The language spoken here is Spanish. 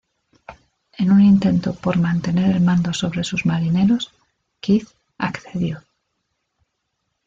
En un intento por mantener el mando sobre sus marineros, Kidd accedió.